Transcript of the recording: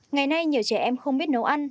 ngày nay nhiều trẻ em không biết nấu ăn